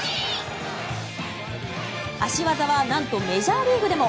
足技はなんとメジャーリーグでも。